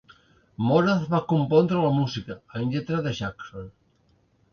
Moraz va compondre la música, amb lletra de Jackson.